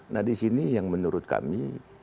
nah di sini yang menurut kami